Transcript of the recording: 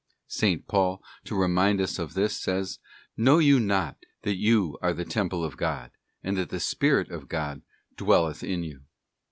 8S. Paul, to remind us of this, says: ' Know you not that you are the temple of God, and that the Spirit of God dwelleth in you?